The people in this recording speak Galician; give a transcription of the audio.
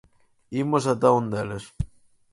Imos ata un deles.